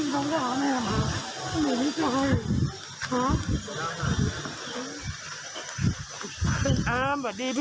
สวัสดีสวัสดี